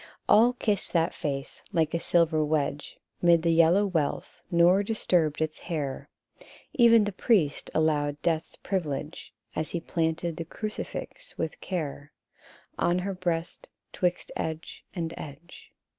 GOLD HAIR. 77 All kissed that face, like a silver wedge 'Mid the yellow wealth, nor disturbed its hair: E'en the priest allowed death's privilege, As he planted the crucifix with care On her breast, 'twixt edge and edge.